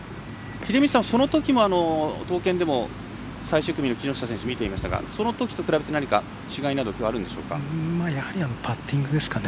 秀道さん、そのとき東建でも最終組の木下選手見ていましたがそのときと比べてパッティングですかね。